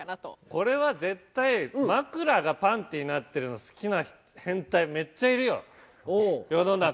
これは絶対まくらがパンティになってるの好きな変態めっちゃいるよ世の中。